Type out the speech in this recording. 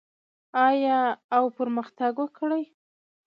آیا او پرمختګ وکړي؟